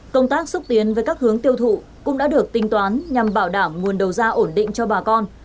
công tác xúc tiến với các hướng tiêu thụ cũng đã được tính toán nhằm bảo đảm nguồn đầu ra ổn định cho bà con